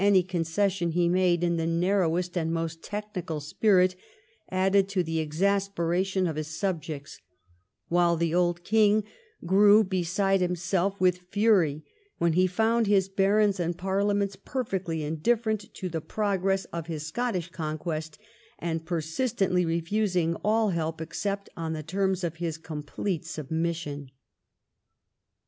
any concession he made, in the narrowest and most technical spirit, added to the exasperation of his subjects ; while the old king grew beside himself with fury when he found his barons and parliaments perfectly indifferent to the progress of his Scottish conquest, and persistently refusing all help except on the terms of his complete submission.